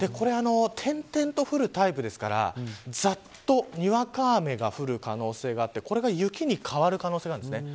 点々と降るタイプですからざっとにわか雨が降る可能性があってこれが雪に変わる可能性があります。